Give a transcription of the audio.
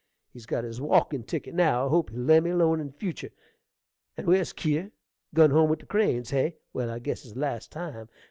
He's got his walkin' ticket now. I hope he'll lemme alone in futur'. And where's Kier? Gun home with the Cranes, hey! Well, I guess it's the last time.